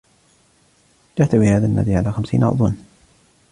يحتوي هذا النادي على خمسين عضوا.